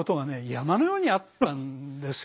山のようにあったんですよ。